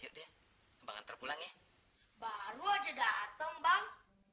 hai ayo deh bang terpulang ya baru aja dateng bang